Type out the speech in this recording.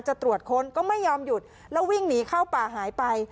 จะตรวจค้นก็ไม่ยอมหยุดแล้ววิ่งหนีเข้าป่าหายไป